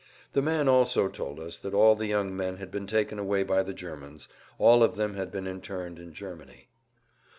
The man also told us that all the young men had been taken away by the Germans; all of them had been interned in Germany.